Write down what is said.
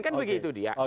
kan begitu dia